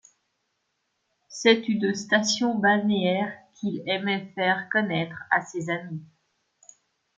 C’est une station balnéaire qu’il aimait faire connaître à ses amis.